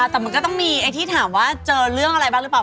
แต่มันก็ต้องมีไอ้ที่ถามว่าเจอเรื่องอะไรบ้างหรือเปล่า